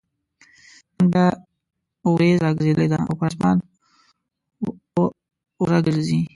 نن بيا اوريځ راګرځېدلې ده او پر اسمان اوره ګرځي